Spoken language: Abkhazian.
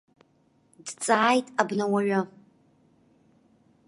Дҵааит абнауаҩы.